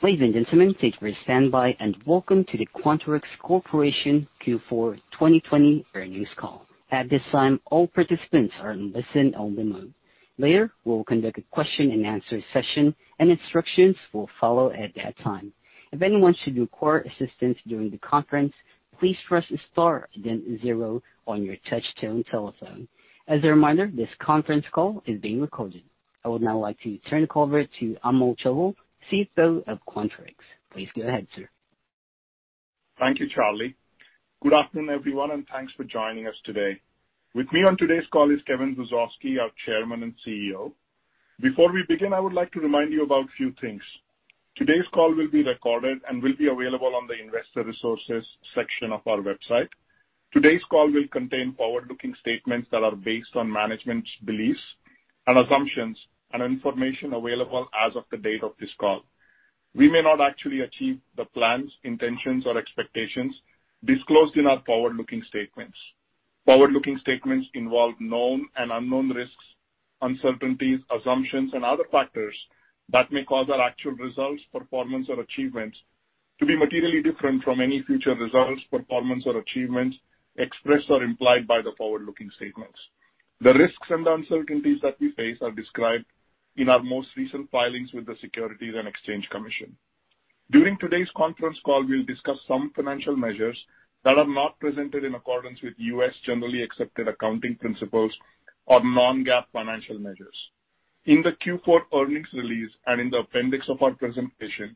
Ladies and gentlemen, thank you for your standby and welcome to the Quanterix Corporation Q4 2020 earnings call. At this time, all participants are in listen-only mode. Later, we'll conduct a question and answer session, and instructions will follow at that time. If anyone should require assistance during the conference, please press star and zero on your touchtone telephone. As a reminder, this conference call is being recorded. I would now like to turn the call over to Amol Chaubal, CFO of Quanterix. Please go ahead, sir. Thank you, Charlie. Good afternoon, everyone, and thanks for joining us today. With me on today's call is Kevin Hrusovsky, our Chairman and CEO. Before we begin, I would like to remind you about a few things. Today's call will be recorded and will be available on the investor resources section of our website. Today's call will contain forward-looking statements that are based on management's beliefs and assumptions and information available as of the date of this call. We may not actually achieve the plans, intentions, or expectations disclosed in our forward-looking statements. Forward-looking statements involve known and unknown risks, uncertainties, assumptions, and other factors that may cause our actual results, performance, or achievements to be materially different from any future results, performance, or achievements expressed or implied by the forward-looking statements. The risks and uncertainties that we face are described in our most recent filings with the Securities and Exchange Commission. During today's conference call, we'll discuss some financial measures that are not presented in accordance with U.S. Generally Accepted Accounting Principles or non-GAAP financial measures. In the Q4 earnings release and in the appendix of our presentation,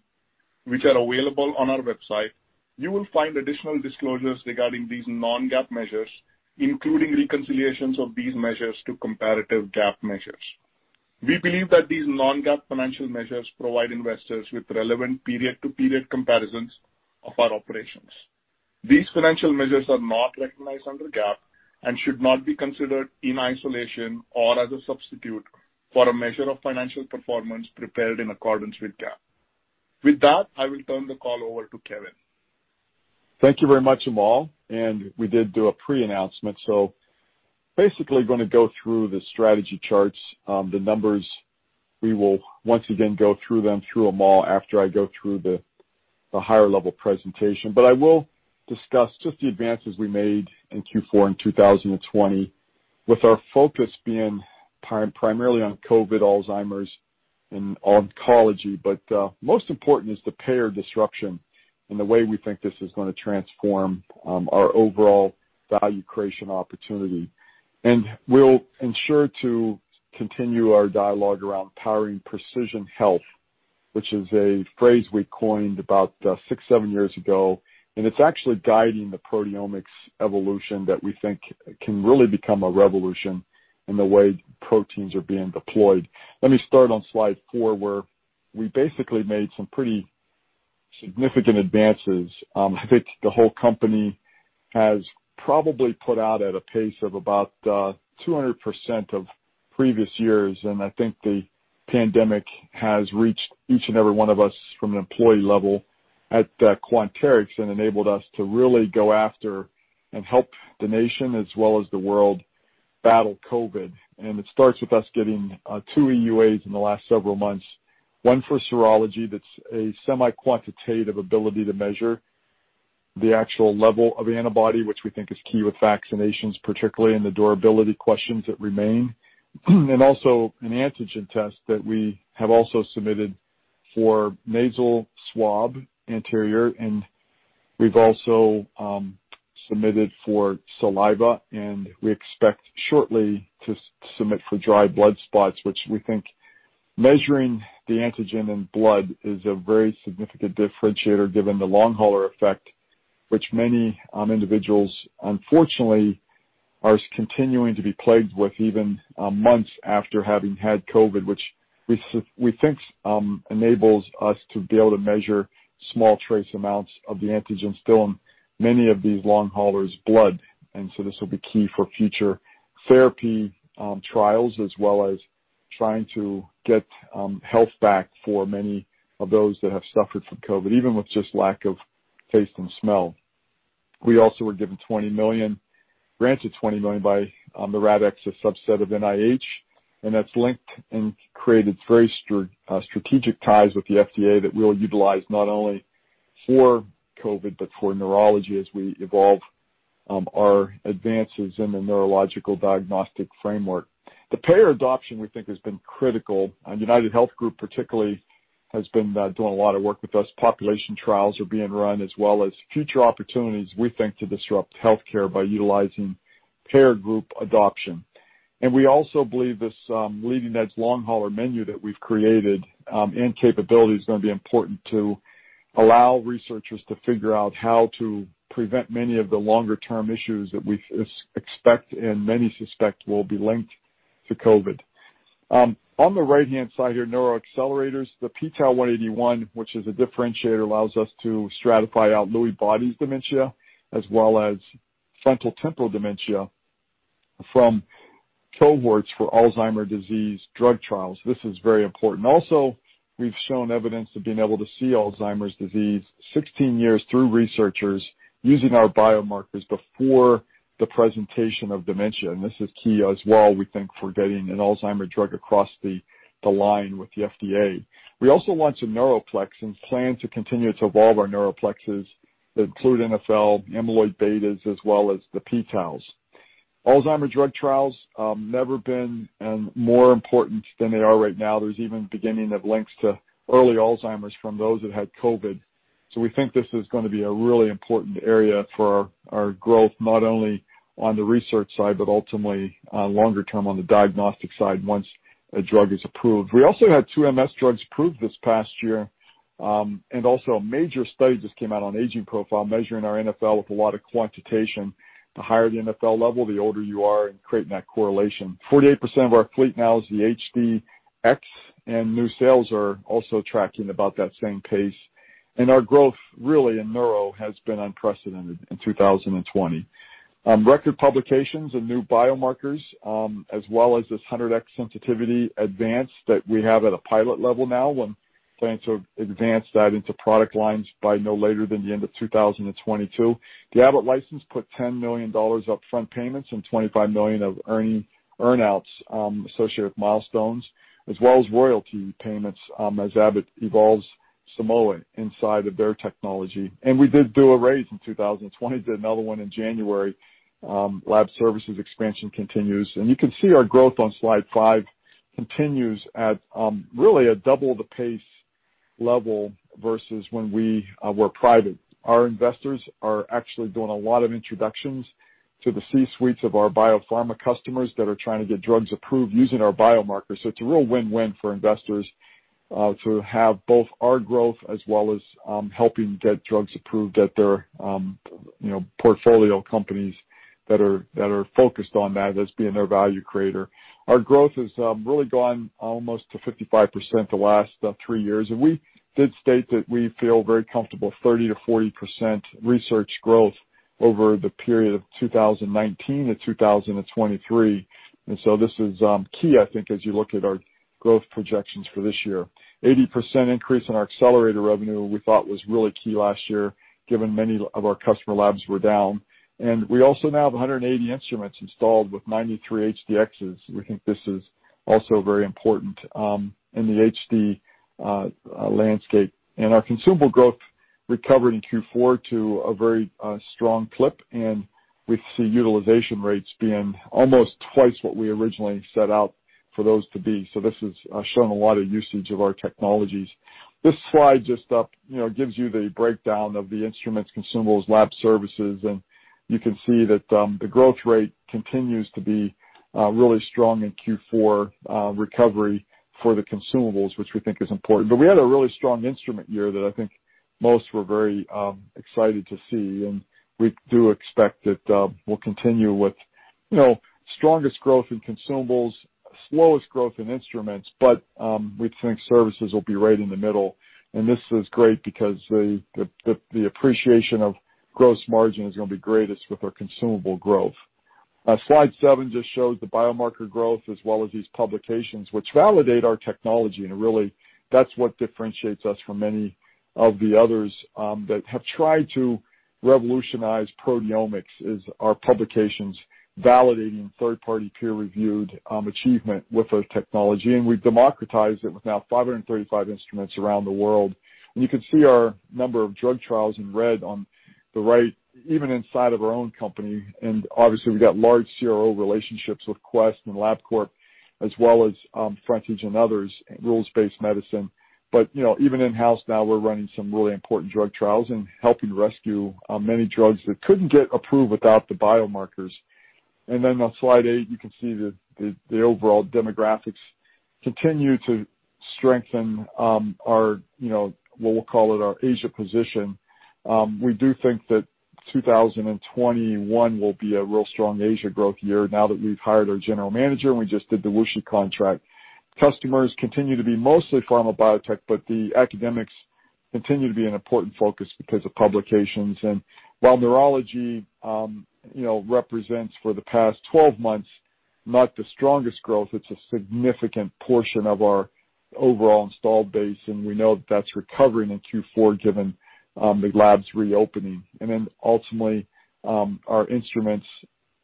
which are available on our website, you will find additional disclosures regarding these non-GAAP measures, including reconciliations of these measures to comparative GAAP measures. We believe that these non-GAAP financial measures provide investors with relevant period-to-period comparisons of our operations. These financial measures are not recognized under GAAP and should not be considered in isolation or as a substitute for a measure of financial performance prepared in accordance with GAAP. With that, I will turn the call over to Kevin. Thank you very much, Amol, we did do a pre-announcement. Basically going to go through the strategy charts, the numbers, we will once again go through them through Amol after I go through the higher level presentation. I will discuss just the advances we made in Q4 in 2020 with our focus being primarily on COVID, Alzheimer's, and oncology. Most important is the payer disruption and the way we think this is going to transform our overall value creation opportunity. We'll ensure to continue our dialogue around Powering Precision Health, which is a phrase we coined about six, seven years ago, and it's actually guiding the proteomics evolution that we think can really become a revolution in the way proteins are being deployed. Let me start on slide four, where we basically made some pretty significant advances. I think the whole company has probably put out at a pace of about 200% of previous years, I think the pandemic has reached each and every one of us from an employee level at Quanterix and enabled us to really go after and help the nation as well as the world battle COVID. It starts with us getting two EUAs in the last several months, one for serology, that's a semi-quantitative ability to measure the actual level of antibody, which we think is key with vaccinations, particularly in the durability questions that remain. Also an antigen test that we have also submitted for nasal swab anterior, and we've also submitted for saliva, and we expect shortly to submit for dried blood spots, which we think measuring the antigen in blood is a very significant differentiator given the long hauler effect which many individuals, unfortunately, are continuing to be plagued with even months after having had COVID, which we think enables us to be able to measure small trace amounts of the antigen still in many of these long haulers' blood. So this will be key for future therapy trials as well as trying to get health back for many of those that have suffered from COVID, even with just lack of taste and smell. We also were given $20 million, granted $20 million by the RADx, a subset of NIH, and that's linked and created very strategic ties with the FDA that we'll utilize not only for COVID, but for neurology as we evolve our advances in the neurological diagnostic framework. The payer adoption, we think, has been critical. UnitedHealth Group particularly has been doing a lot of work with us. Population trials are being run as well as future opportunities we think to disrupt healthcare by utilizing payer group adoption. We also believe this leading edge long hauler menu that we've created and capability is going to be important to allow researchers to figure out how to prevent many of the longer-term issues that we expect and many suspect will be linked to COVID. On the right-hand side here, neuroaccelerators, the p-Tau-181, which is a differentiator, allows us to stratify out Lewy body dementia as well as frontotemporal dementia from cohorts for Alzheimer's disease drug trials. This is very important. Also, we've shown evidence of being able to see Alzheimer's disease 16 years through researchers using our biomarkers before the presentation of dementia, this is key as well, we think, for getting an Alzheimer's drug across the line with the FDA. We also launched the NeuroPlex and plan to continue to evolve our NeuroPlexes that include NfL, amyloid betas, as well as the p-Taus. Alzheimer's drug trials, never been more important than they are right now. There's even beginning of links to early Alzheimer's from those that had COVID. We think this is going to be a really important area for our growth, not only on the research side, but ultimately, longer term on the diagnostic side once a drug is approved. We also had two MS drugs approved this past year, and also a major study just came out on aging profile, measuring our NfL with a lot of quantitation. The higher the NfL level, the older you are, creating that correlation. 48% of our fleet now is the HD-X, and new sales are also tracking about that same pace. Our growth really in neuro has been unprecedented in 2020, record publications and new biomarkers, as well as this 100X sensitivity advance that we have at a pilot level now. We're planning to advance that into product lines by no later than the end of 2022. The Abbott license put $10 million upfront payments and $25 million of earn-outs, associated with milestones, as well as royalty payments, as Abbott evolves Simoa inside of their technology. We did do a raise in 2020, did another one in January. Lab services expansion continues. You can see our growth on slide five continues at really a double the pace level versus when we were private. Our investors are actually doing a lot of introductions to the C-suites of our biopharma customers that are trying to get drugs approved using our biomarkers. It's a real win-win for investors, to have both our growth as well as helping get drugs approved at their portfolio companies that are focused on that as being their value creator. Our growth has really gone almost to 55% the last three years. We did state that we feel very comfortable 30%-40% research growth over the period of 2019-2023. This is key, I think, as you look at our growth projections for this year. 80% increase in our accelerator revenue we thought was really key last year, given many of our customer labs were down. We also now have 180 instruments installed with 93 HD-Xs. We think this is also very important in the HD landscape. Our consumable growth recovered in Q4 to a very strong clip, and we see utilization rates being almost twice what we originally set out for those to be. This has shown a lot of usage of our technologies. This slide just gives you the breakdown of the instruments, consumables, lab services, and you can see that the growth rate continues to be really strong in Q4 recovery for the consumables, which we think is important. We had a really strong instrument year that I think most were very excited to see, and we do expect that we'll continue with strongest growth in consumables, slowest growth in instruments, but we think services will be right in the middle. This is great because the appreciation of gross margin is going to be greatest with our consumable growth. Slide seven just shows the biomarker growth as well as these publications, which validate our technology, and really, that's what differentiates us from many of the others that have tried to revolutionize proteomics, is our publications validating third-party peer-reviewed achievement with our technology. We've democratized it with now 535 instruments around the world. You can see our number of drug trials in red on the right, even inside of our own company. Obviously, we've got large CRO relationships with Quest and LabCorp, as well as Frontage and others, Rules-Based Medicine. Even in-house now, we're running some really important drug trials and helping rescue many drugs that couldn't get approved without the biomarkers. Then on slide eight, you can see that the overall demographics continue to strengthen our, what we'll call it, our Asia position. We do think that 2021 will be a real strong Asia growth year now that we've hired our general manager, and we just did the WuXi contract. Customers continue to be mostly pharma biotech, but the academics continue to be an important focus because of publications. While neurology represents for the past 12 months, not the strongest growth, it's a significant portion of our overall installed base, and we know that's recovering in Q4 given the labs reopening. Ultimately, our instruments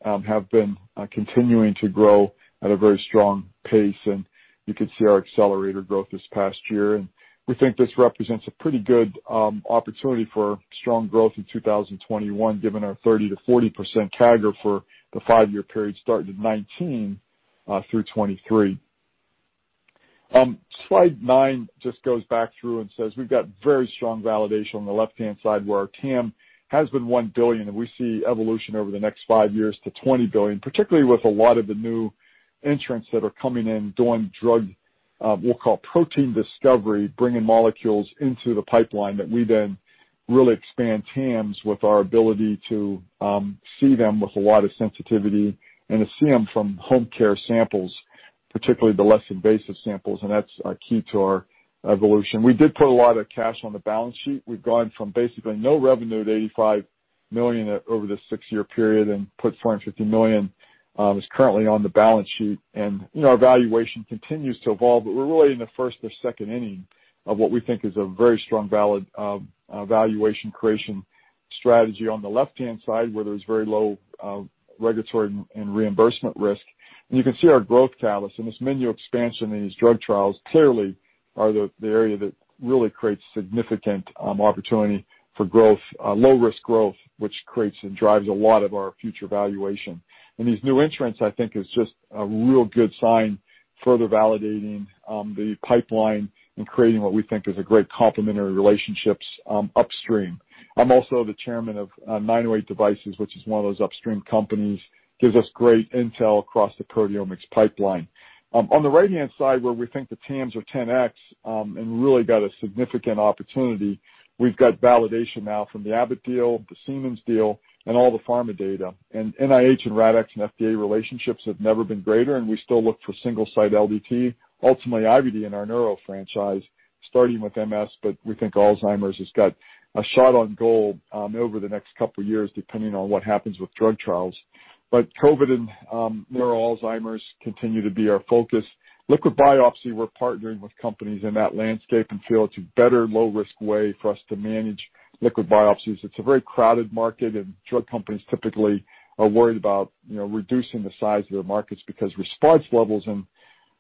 have been continuing to grow at a very strong pace, and you can see our Accelerator growth this past year. We think this represents a pretty good opportunity for strong growth in 2021 given our 30%-40% CAGR for the five-year period starting in 2019 through 2023. Slide nine just goes back through and says we've got very strong validation on the left-hand side where our TAM has been $1 billion, and we see evolution over the next five years to $20 billion, particularly with a lot of the new entrants that are coming in doing drug, we'll call protein discovery, bringing molecules into the pipeline that we then really expand TAMs with our ability to see them with a lot of sensitivity and to see them from home care samples, particularly the less invasive samples. That's key to our evolution. We did put a lot of cash on the balance sheet. We've gone from basically no revenue to $85 million over this six-year period and $450 million is currently on the balance sheet. Our valuation continues to evolve, but we're really in the first or second inning of what we think is a very strong valuation creation strategy on the left-hand side, where there's very low regulatory and reimbursement risk. You can see our growth talents and this menu expansion in these drug trials clearly are the area that really creates significant opportunity for low risk growth, which creates and drives a lot of our future valuation. These new entrants, I think, is just a real good sign, further validating the pipeline and creating what we think is a great complementary relationships upstream. I'm also the chairman of 908 Devices, which is one of those upstream companies, gives us great intel across the proteomics pipeline. On the right-hand side, where we think the TAMs are 10x, and really got a significant opportunity. We've got validation now from the Abbott deal, the Siemens deal, and all the pharma data. NIH and RADx and FDA relationships have never been greater, and we still look for single site LDT, ultimately IVD in our neuro franchise, starting with MS, but we think Alzheimer's has got a shot on goal over the next couple of years, depending on what happens with drug trials. COVID and neuro Alzheimer's continue to be our focus. Liquid biopsy, we're partnering with companies in that landscape and feel it's a better low risk way for us to manage liquid biopsies. It's a very crowded market, and drug companies typically are worried about reducing the size of their markets because response levels in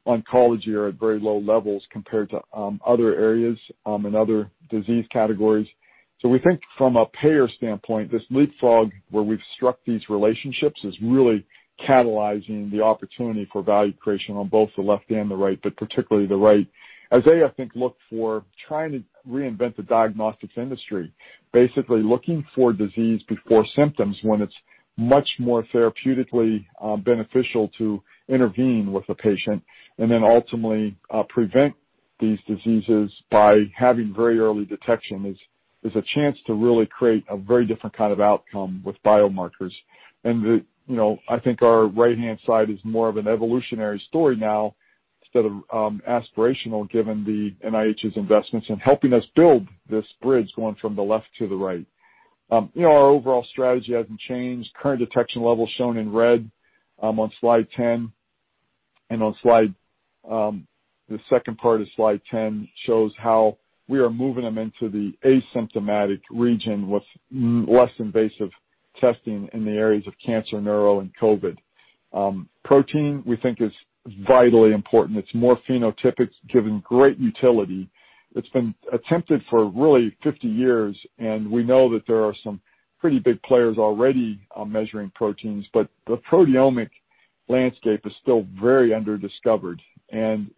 oncology are at very low levels compared to other areas and other disease categories. We think from a payer standpoint, this leapfrog where we've struck these relationships is really catalyzing the opportunity for value creation on both the left and the right, but particularly the right. As they, I think, look for trying to reinvent the diagnostics industry, basically looking for disease before symptoms when it's much more therapeutically beneficial to intervene with a patient, and then ultimately, prevent these diseases by having very early detection, is a chance to really create a very different kind of outcome with biomarkers. I think our right-hand side is more of an evolutionary story now instead of aspirational, given the NIH's investments in helping us build this bridge going from the left to the right. Our overall strategy hasn't changed. Current detection levels shown in red on slide 10, and the second part of slide 10 shows how we are moving them into the asymptomatic region with less invasive testing in the areas of cancer, neuro, and COVID. Protein, we think, is vitally important. It's more phenotypic, giving great utility. It's been attempted for really 50 years, and we know that there are some pretty big players already measuring proteins, but the proteomic landscape is still very under-discovered.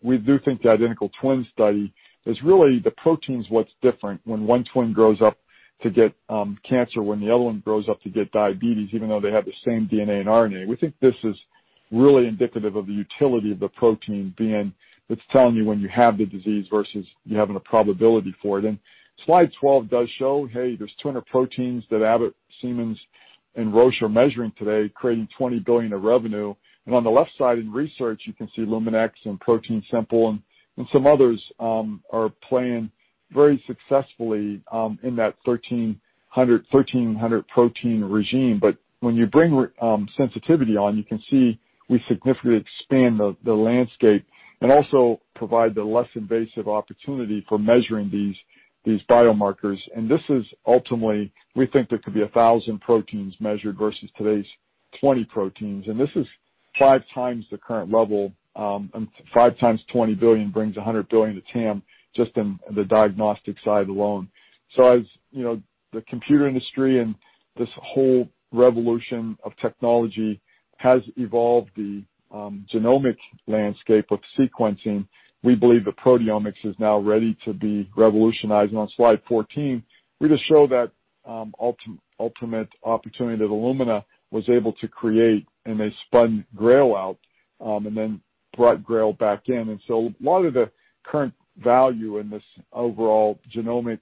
We do think the identical twin study is really the protein is what's different when one twin grows up to get cancer, when the other one grows up to get diabetes, even though they have the same DNA and RNA. We think this is really indicative of the utility of the protein being it's telling you when you have the disease versus you having a probability for it. Slide 12 does show, hey, there's 200 proteins that Abbott, Siemens, and Roche are measuring today, creating $20 billion of revenue. On the left side in research, you can see Luminex and ProteinSimple and some others are playing very successfully in that 1,300 protein regime. When you bring sensitivity on, you can see we significantly expand the landscape and also provide the less invasive opportunity for measuring these biomarkers. This is ultimately, we think there could be 1,000 proteins measured versus today's 20 proteins. This is 5x the current level, and 5x $20 billion brings $100 billion to TAM just in the diagnostic side alone. As the computer industry and this whole revolution of technology has evolved the genomic landscape of sequencing, we believe the proteomics is now ready to be revolutionized. On slide 14, we just show that ultimate opportunity that Illumina was able to create, and they spun GRAIL out, and then brought GRAIL back in. A lot of the current value in this overall genomic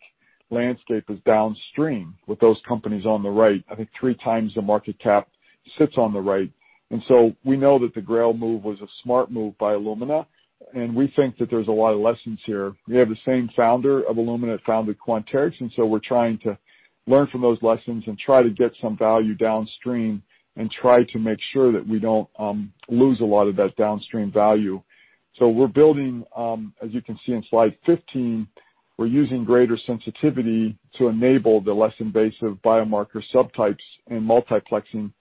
landscape is downstream with those companies on the right. I think three times the market cap sits on the right. We know that the GRAIL move was a smart move by Illumina, and we think that there's a lot of lessons here. We have the same founder of Illumina founded Quanterix, and so we're trying to learn from those lessons and try to get some value downstream and try to make sure that we don't lose a lot of that downstream value. We're building, as you can see in slide 15, we're using greater sensitivity to enable the less invasive biomarker subtypes and multiplexing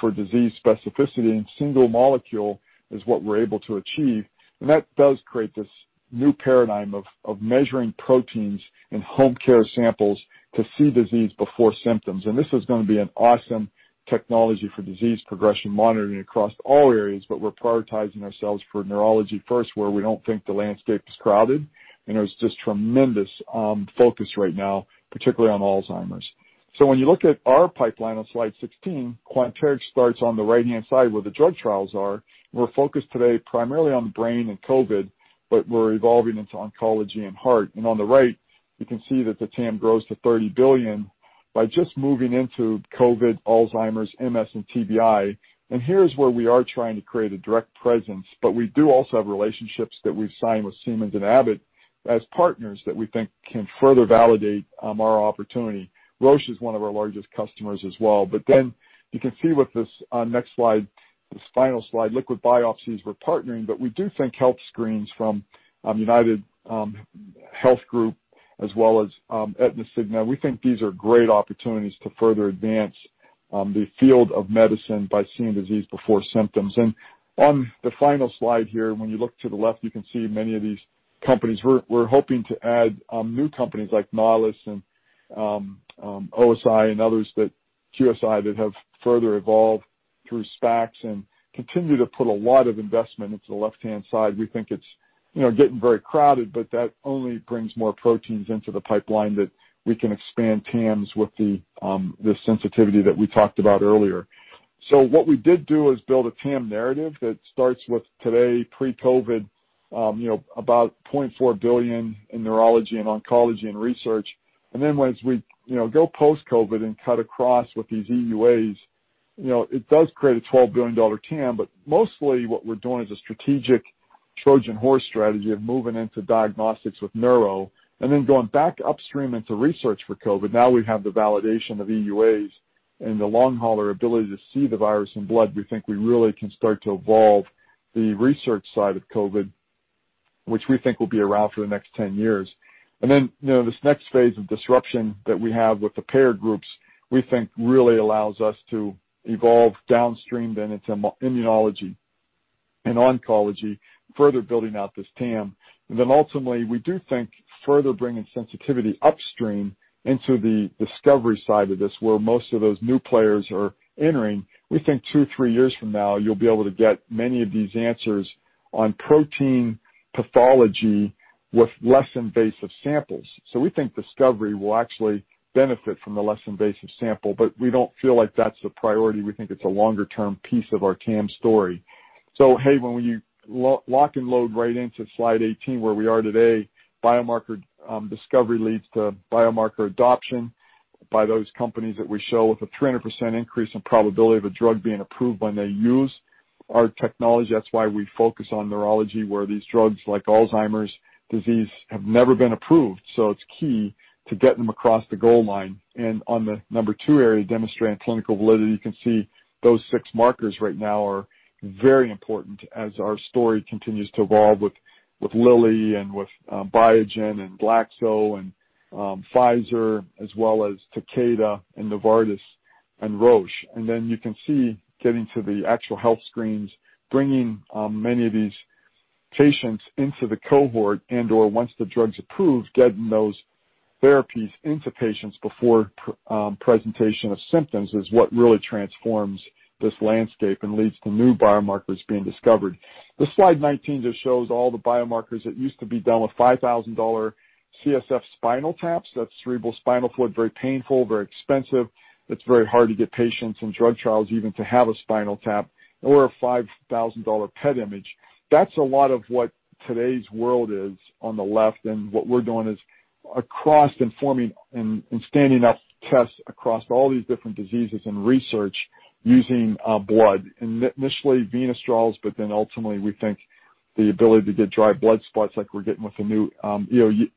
for disease specificity, and single molecule is what we're able to achieve. That does create this new paradigm of measuring proteins in home care samples to see disease before symptoms. This is going to be an awesome technology for disease progression monitoring across all areas, but we're prioritizing ourselves for neurology first, where we don't think the landscape is crowded, and there's just tremendous focus right now, particularly on Alzheimer's. When you look at our pipeline on slide 16, Quanterix starts on the right-hand side where the drug trials are. We're focused today primarily on brain and COVID, but we're evolving into oncology and heart. On the right, you can see that the TAM grows to $30 billion by just moving into COVID, Alzheimer's, MS, and TBI. Here's where we are trying to create a direct presence. We do also have relationships that we've signed with Siemens and Abbott as partners that we think can further validate our opportunity. Roche is one of our largest customers as well. Then you can see with this next slide, this final slide, liquid biopsies we're partnering, we do think health screens from UnitedHealth Group, as well as Aetna Cigna. We think these are great opportunities to further advance the field of medicine by seeing disease before symptoms. On the final slide here, when you look to the left, you can see many of these companies. We're hoping to add new companies like Nautilus and OSI and others, that QSI, that have further evolved through SPACs and continue to put a lot of investment into the left-hand side. We think it's getting very crowded, but that only brings more proteins into the pipeline that we can expand TAMs with the sensitivity that we talked about earlier. What we did do is build a TAM narrative that starts with today, pre-COVID, about $0.4 billion in neurology and oncology and research. And then once we go post-COVID and cut across with these EUAs, it does create a $12 billion TAM. But mostly what we're doing is a strategic Trojan horse strategy of moving into diagnostics with neuro and then going back upstream into research for COVID. Now we have the validation of EUAs and the long hauler ability to see the virus in blood. We think we really can start to evolve the research side of COVID, which we think will be around for the next 10 years. This next phase of disruption that we have with the payer groups, we think really allows us to evolve downstream then into immunology and oncology, further building out this TAM. Ultimately, we do think further bringing sensitivity upstream into the discovery side of this, where most of those new players are entering. We think discovery will actually benefit from the less invasive sample, but we don't feel like that's a priority. We think it's a longer-term piece of our TAM story. Hayden, when you lock and load right into slide 18, where we are today, biomarker discovery leads to biomarker adoption by those companies that we show with a 300% increase in probability of a drug being approved when they use our technology. That's why we focus on neurology, where these drugs like Alzheimer's disease have never been approved. It's key to get them across the goal line. On the number two area, demonstrating clinical validity, you can see those six markers right now are very important as our story continues to evolve with Lilly and with Biogen and Glaxo and Pfizer, as well as Takeda and Novartis and Roche. Then you can see getting to the actual health screens, bringing many of these patients into the cohort and/or once the drug's approved, getting those therapies into patients before presentation of symptoms is what really transforms this landscape and leads to new biomarkers being discovered. The slide 19 just shows all the biomarkers that used to be done with $5,000 CSF spinal taps. That's cerebral spinal fluid, very painful, very expensive. It's very hard to get patients in drug trials even to have a spinal tap or a $5,000 PET image. That's a lot of what today's world is on the left, and what we're doing is across and forming and standing up tests across all these different diseases and research using blood. Initially, venous draws. Ultimately, we think the ability to get dried blood spots like we're getting with a new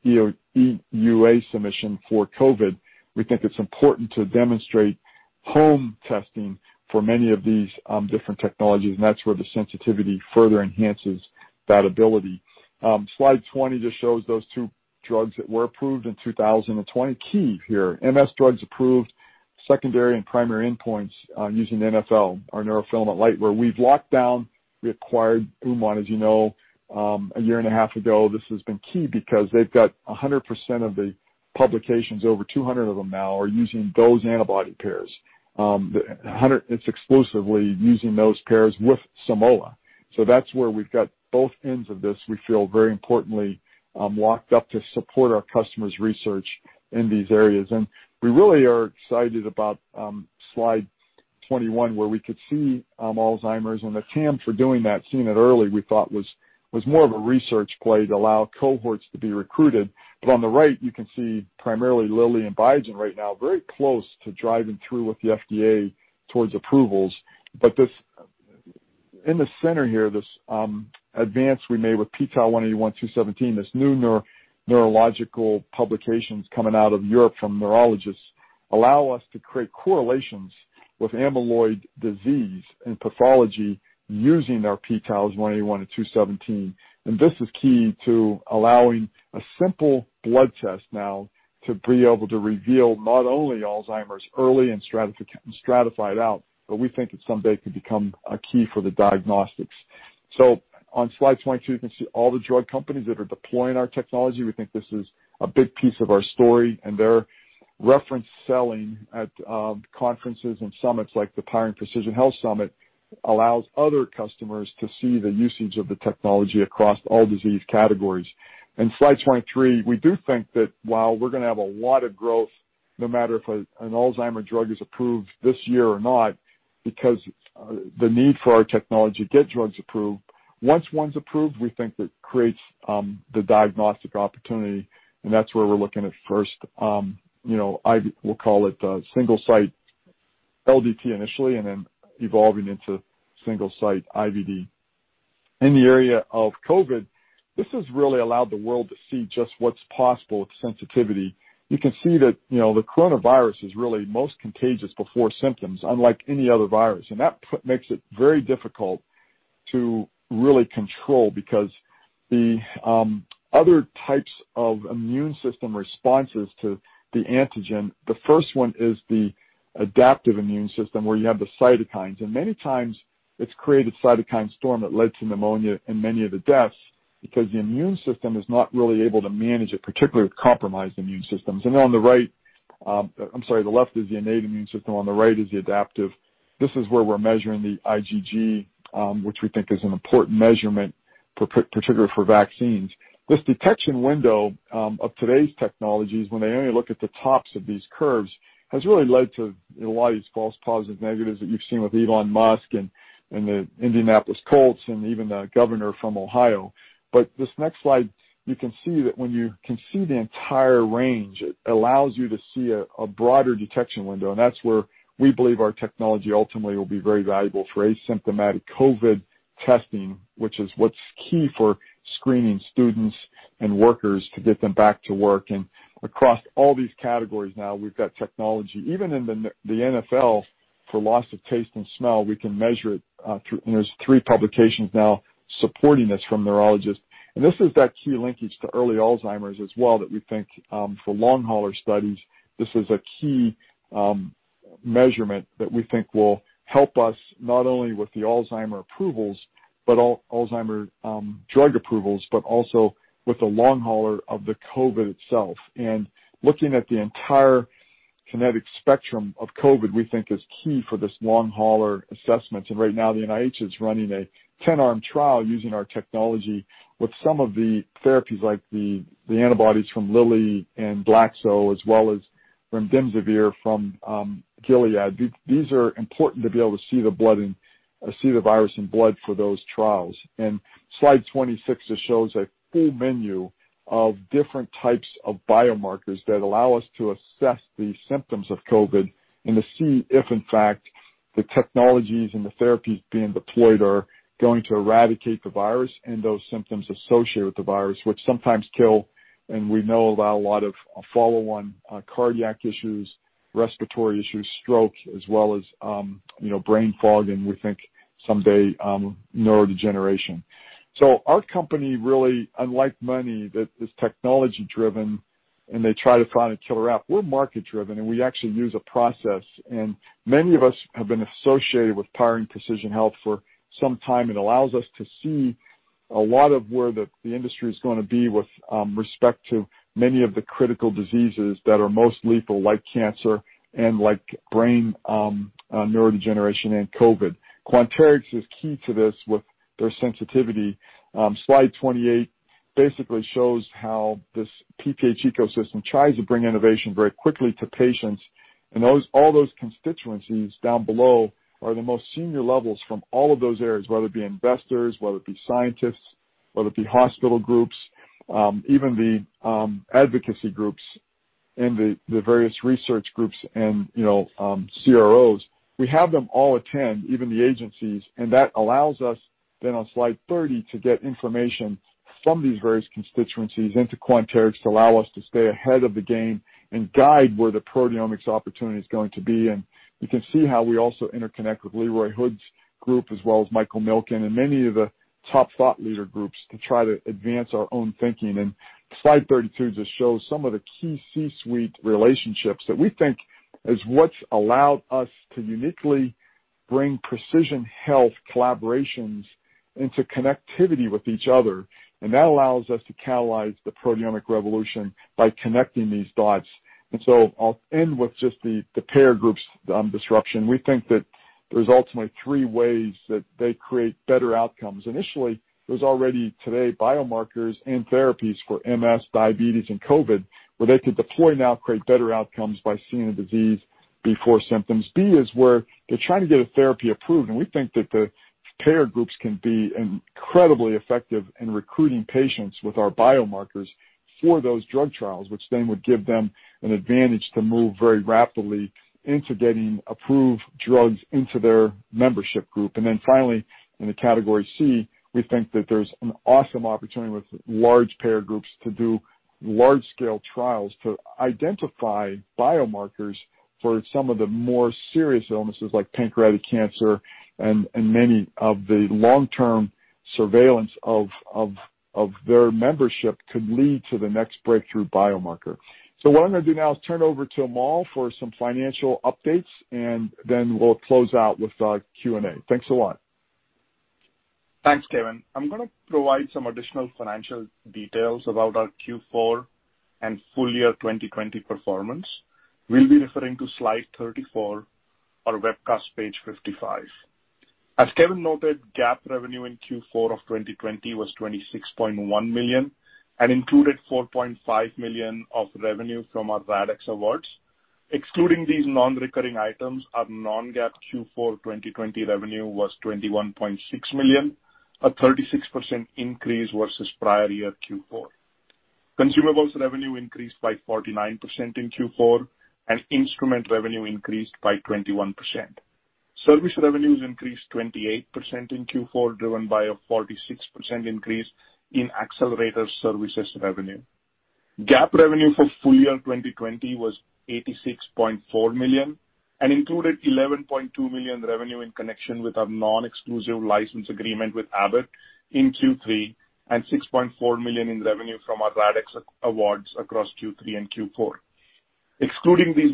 EUA submission for COVID. We think it's important to demonstrate home testing for many of these different technologies, and that's where the sensitivity further enhances that ability. Slide 20 just shows those two drugs that were approved in 2020. Key here, MS drugs approved secondary and primary endpoints using NfL, our neurofilament light, where we've locked down. We acquired Uman, as you know, a year and a half ago. This has been key because they've got 100% of the publications, over 200 of them now are using those antibody pairs. It's exclusively using those pairs with Simoa. That's where we've got both ends of this, we feel very importantly, locked up to support our customers' research in these areas. We really are excited about slide 21, where we could see Alzheimer's and the TAM for doing that. Seeing it early, we thought, was more of a research play to allow cohorts to be recruited. On the right, you can see primarily Lilly and Biogen right now, very close to driving through with the FDA towards approvals. In the center here, this advance we made with p-Tau-181/217, this new neurological publications coming out of Europe from neurologists allow us to create correlations with amyloid disease and pathology using our p-Tau-181 to 217. This is key to allowing a simple blood test now to be able to reveal not only Alzheimer's early and stratify it out, but we think it someday could become a key for the diagnostics. On slide 22, you can see all the drug companies that are deploying our technology. We think this is a big piece of our story, they're reference selling at conferences and summits like the Powering Precision Health Summit allows other customers to see the usage of the technology across all disease categories. In slide 23, we do think that while we're going to have a lot of growth, no matter if an Alzheimer's drug is approved this year or not, because the need for our technology to get drugs approved. Once one's approved, we think that creates the diagnostic opportunity, that's where we're looking at first. We'll call it single site LDT initially then evolving into single site IVD. In the area of COVID, this has really allowed the world to see just what's possible with sensitivity. You can see that the coronavirus is really most contagious before symptoms, unlike any other virus, and that makes it very difficult to really control, because the other types of immune system responses to the antigen, the first one is the adaptive immune system, where you have the cytokines. Many times it's created a cytokine storm that led to pneumonia in many of the deaths because the immune system is not really able to manage it, particularly with compromised immune systems. On the right, I'm sorry, the left is the innate immune system, on the right is the adaptive. This is where we're measuring the IgG, which we think is an important measurement, particularly for vaccines. This detection window of today's technologies, when they only look at the tops of these curves, has really led to a lot of these false positive negatives that you've seen with Elon Musk and the Indianapolis Colts and even the governor from Ohio. This next slide, you can see that when you can see the entire range, it allows you to see a broader detection window. That's where we believe our technology ultimately will be very valuable for asymptomatic COVID testing, which is what's key for screening students and workers to get them back to work. Across all these categories now, we've got technology, even in the NFL, for loss of taste and smell, we can measure it, and there's three publications now supporting this from neurologists. This is that key linkage to early Alzheimer's as well, that we think, for long hauler studies, this is a key measurement that we think will help us not only with the Alzheimer's approvals, but all Alzheimer's drug approvals, but also with the long hauler of the COVID itself. Looking at the entire kinetic spectrum of COVID, we think, is key for this long hauler assessments. Right now the NIH is running a 10-arm trial using our technology with some of the therapies like the antibodies from Lilly and Glaxo, as well as remdesivir from Gilead. These are important to be able to see the virus in blood for those trials. Slide 26 just shows a full menu of different types of biomarkers that allow us to assess the symptoms of COVID and to see if in fact the technologies and the therapies being deployed are going to eradicate the virus and those symptoms associated with the virus, which sometimes kill, and we know about a lot of follow-on cardiac issues, respiratory issues, strokes, as well as brain fog, and we think someday, neurodegeneration. Our company really, unlike many that is technology driven and they try to find a killer app, we're market driven and we actually use a process. Many of us have been associated with Powering Precision Health for some time. It allows us to see a lot of where the industry is going to be with respect to many of the critical diseases that are most lethal, like cancer and like brain neurodegeneration and COVID. Quanterix is key to this with their sensitivity. Slide 28 basically shows how this PPH ecosystem tries to bring innovation very quickly to patients. All those constituencies down below are the most senior levels from all of those areas, whether it be investors, whether it be scientists, whether it be hospital groups, even the advocacy groups and the various research groups and CROs. We have them all attend, even the agencies. That allows us then on slide 30 to get information from these various constituencies into Quanterix to allow us to stay ahead of the game and guide where the proteomics opportunity is going to be. You can see how we also interconnect with Leroy Hood's group as well as Michael Milken and many of the top thought leader groups to try to advance our own thinking. Slide 32 just shows some of the key C-suite relationships that we think is what's allowed us to uniquely bring precision health collaborations into connectivity with each other. That allows us to catalyze the proteomic revolution by connecting these dots. I'll end with just the payer groups disruption. We think that there's ultimately three ways that they create better outcomes. Initially, there's already today biomarkers and therapies for MS, diabetes, and COVID, where they could deploy now create better outcomes by seeing a disease before symptoms. B is where they're trying to get a therapy approved. We think that the payer groups can be incredibly effective in recruiting patients with our biomarkers for those drug trials, which would give them an advantage to move very rapidly into getting approved drugs into their membership group. Finally, in the category C, we think that there's an awesome opportunity with large payer groups to do large-scale trials to identify biomarkers for some of the more serious illnesses like pancreatic cancer, and many of the long-term surveillance of their membership could lead to the next breakthrough biomarker. What I'm going to do now is turn it over to Amol for some financial updates, and then we'll close out with Q&A. Thanks a lot. Thanks, Kevin. I'm going to provide some additional financial details about our Q4 and full year 2020 performance. We'll be referring to slide 34 or webcast page 55. As Kevin noted, GAAP revenue in Q4 of 2020 was $26.1 million and included $4.5 million of revenue from our RADx awards. Excluding these non-recurring items, our non-GAAP Q4 2020 revenue was $21.6 million, a 36% increase versus prior year Q4. Consumables revenue increased by 49% in Q4, and instrument revenue increased by 21%. Service revenues increased 28% in Q4, driven by a 46% increase in Accelerator Laboratory revenue. GAAP revenue for full year 2020 was $86.4 million and included $11.2 million revenue in connection with our non-exclusive license agreement with Abbott in Q3 and $6.4 million in revenue from our RADx awards across Q3 and Q4. Excluding these